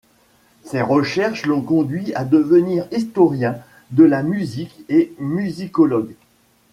Ses recherches l’ont conduit à devenir historien de la musique et musicologue.